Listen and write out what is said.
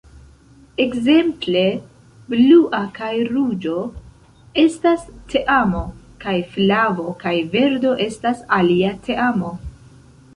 Ekzemple Blua kaj Ruĝo estas teamo, kaj Flavo kaj Verdo estas alia teamo.